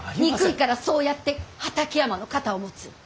憎いからそうやって畠山の肩を持つ。